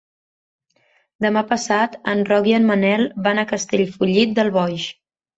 Demà passat en Roc i en Manel van a Castellfollit del Boix.